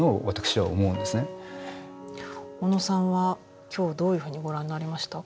小野さんは今日どういうふうにご覧になりました？